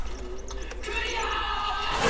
クリア！